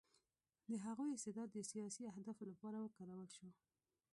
د هغوی استعداد د سیاسي اهدافو لپاره وکارول شو